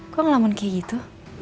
kok ngelamun kaya gitu